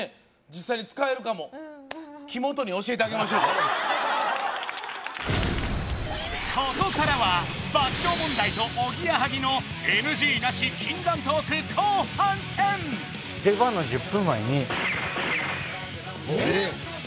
実際に使えるかもここからは爆笑問題とおぎやはぎのＮＧなし禁断トーク後半戦出番の１０分前にえっ！？